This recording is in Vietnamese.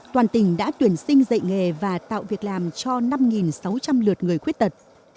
toàn tỉnh đã tuyển sinh dạy nghề và tạo việc làm cho năm sáu trăm linh lượt người khuyết tật